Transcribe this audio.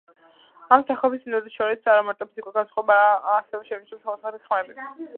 ამ სახეობის ინდივიდებს შორის, არამარტო ფიზიკური განსხვავებებისა ასევე შეიმჩნევა სხვადასხვაგვარი ხმები.